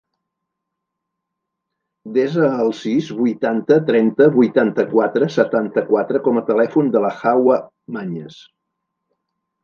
Desa el sis, vuitanta, trenta, vuitanta-quatre, setanta-quatre com a telèfon de la Hawa Mañes.